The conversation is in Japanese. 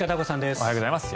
おはようございます。